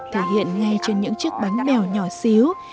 thể hiện ngay trên những chiếc bánh bèo nhỏ xíu